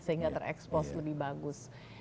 sehingga terekspos lebih bagus